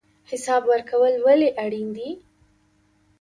حساب ورکول ولې اړین دي؟